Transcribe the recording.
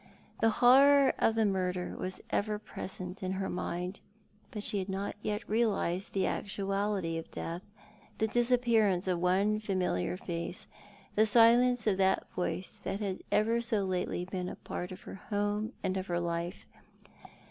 The horror of the murder was ever present in her mind, but she had not yet realised the actuality of death, the disappearance of one familiar face, the silence of that voice that had so lately been part of her home and of her life.